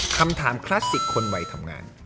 คำถามคลาสสิกคนวัยทำงาน